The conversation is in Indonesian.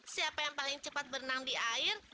siapa yang paling cepat berenang di air